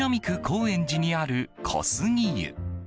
高円寺にある小杉湯。